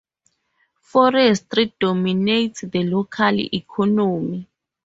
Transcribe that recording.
Forestry dominates the local economy.